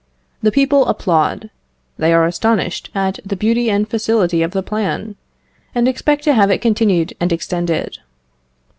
The people applaud; they are astonished at the beauty and facility of the plan, and expect to have it continued and extended.